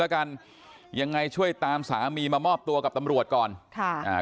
แล้วกันยังไงช่วยตามสามีมามอบตัวกับตำรวจก่อนค่ะอ่า